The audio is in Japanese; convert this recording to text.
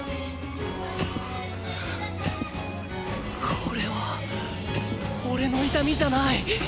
これはおれの痛みじゃない。